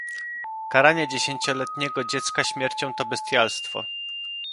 Karanie dziesięcioletniego dziecka śmiercią to bestialstwo